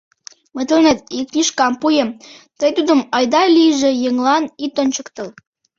Мый тыланет ик книжкам пуэм, тый тудым айда-лийже еҥлан ит ончыктыл...